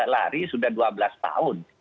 lari sudah dua belas tahun